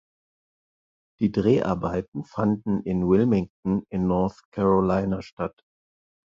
Die Dreharbeiten fanden in Wilmington in North Carolina statt.